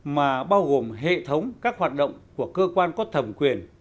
mà bao gồm hệ thống các hoạt động của cơ quan có thẩm quyền